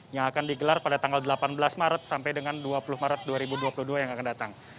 yang akan digelar pada tanggal delapan belas maret sampai dengan dua puluh maret dua ribu dua puluh dua yang akan datang